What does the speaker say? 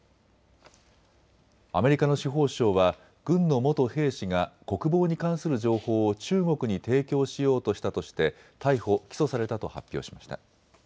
アメリカの司法省は軍の元兵士が国防に関する情報を中国に提供しようとしたとして逮捕・起訴されたと発表しました。